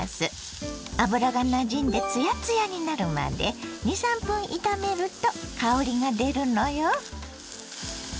油がなじんでツヤツヤになるまで２３分炒めると香りがでるのよ。